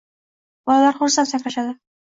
Bolalar xursand sakrashadi